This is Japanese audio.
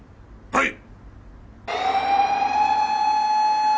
はい！